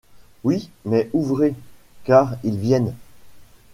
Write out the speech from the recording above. Oui, mais ouvrez, car ils viennent !